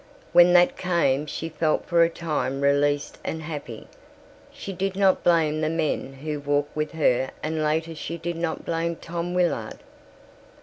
When that came she felt for a time released and happy. She did not blame the men who walked with her and later she did not blame Tom Willard.